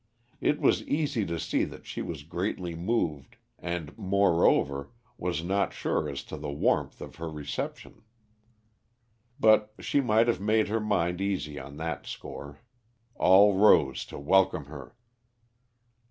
It was easy to see that she was greatly moved and, moreover, was not sure as to the warmth of her reception. But she might have made her mind easy on that score. All rose to welcome her.